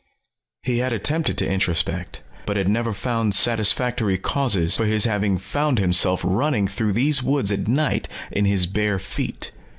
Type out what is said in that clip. He had attempted to introspect, but had never found satisfactory causes for his having found himself running through these woods at night in his bare feet.